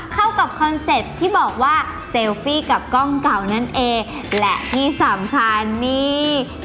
เข้ากับคอนเซ็ปต์ที่บอกว่าเซลฟี่กับกล้องเก่านั่นเองและที่สำคัญนี่